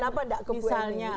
kenapa tidak kebuayaan ini